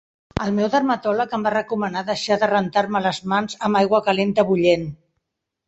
El meu dermatòleg em va recomanar deixar de rentar-me les mans amb aigua calenta bullent.